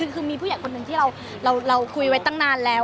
คือมีผู้ใหญ่คนหนึ่งที่เราคุยไว้ตั้งนานแล้ว